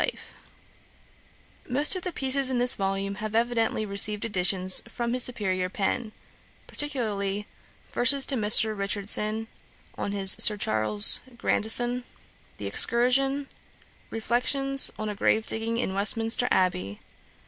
'[Dagger] Most of the pieces in this volume have evidently received additions from his superiour pen, particularly 'Verses to Mr. Richardson, on his Sir Charles Grandison;' 'The Excursion;' 'Reflections on a Grave digging in Westminster Abbey.'